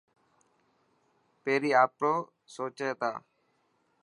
پيري آپرو سوچي تا.